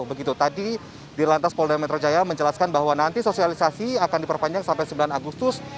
begitu tadi dirilantas pol dametro jaya menjelaskan bahwa nanti sosialisasi akan diperpanjang sampai sembilan agustus